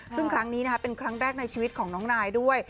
ซึ่งครั้งนี้เป็นครั้งแรกในชีวิตของน้องนายด้วย